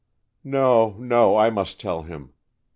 "No, no, I must tell him.